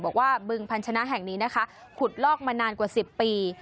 บึงพันธนะแห่งนี้นะคะขุดลอกมานานกว่า๑๐ปี